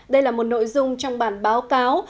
đây là một nội dung trong bản báo cáo